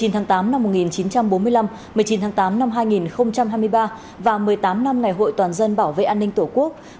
một mươi tháng tám năm một nghìn chín trăm bốn mươi năm một mươi chín tháng tám năm hai nghìn hai mươi ba và một mươi tám năm ngày hội toàn dân bảo vệ an ninh tổ quốc